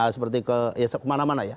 seperti kemana mana ya